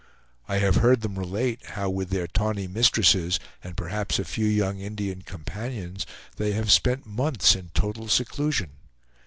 I have heard them relate, how with their tawny mistresses, and perhaps a few young Indian companions, they have spent months in total seclusion.